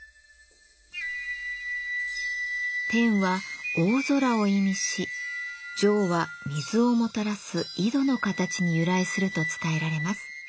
「天」は大空を意味し「井」は水をもたらす井戸の形に由来すると伝えられます。